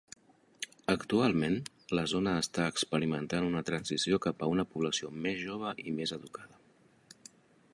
Actualment, la zona està experimentant una transició cap a una població més jove i més educada.